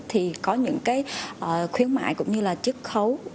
thì có những cái khuyến mại cũng như là chức khấu